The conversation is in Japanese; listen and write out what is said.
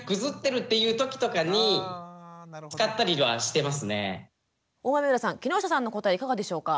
そうですねあの大豆生田さん木下さんの答えいかがでしょうか？